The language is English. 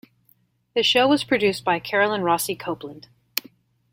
The show was produced by Carolyn Rossi Copeland.